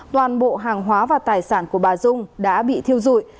toàn bộ hàng hóa và tài sản của bà dung đã bị thiêu dụi